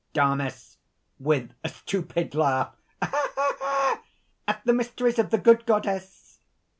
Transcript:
DAMIS (with a stupid laugh). "Ah! ah! ah! at the mysteries of the good Goddess!"